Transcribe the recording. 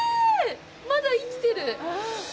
まだ生きてる！